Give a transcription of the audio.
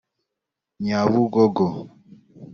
Nyabugogo